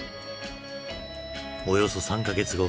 およそ３か月後。